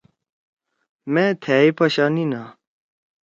ما تھiئے پشانینا۔